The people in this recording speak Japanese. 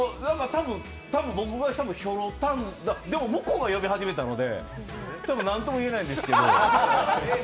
僕が多分、ひょろたん向こうが呼び始めたのでなんとも言えないんですけど。